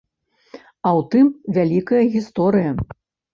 А ў тым вялікая гісторыя.